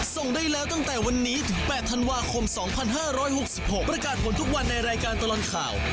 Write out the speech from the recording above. ส่งได้แล้วตั้งแต่วันนี้ถึง๘ธันวาคม๒๕๖๖ประกาศผลทุกวันในรายการตลอดข่าว